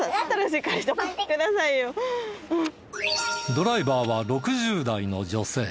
ドライバーは６０代の女性。